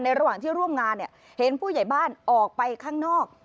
ระหว่างที่ร่วมงานเห็นผู้ใหญ่บ้านออกไปข้างนอก